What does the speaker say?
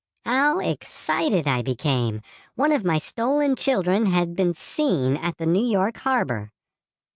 "How excited I became! One of my stolen children had been seen at the New York harbor.